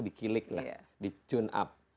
dikilik lah di tune up